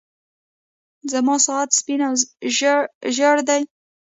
زما ساعت سپين او ژړ دی.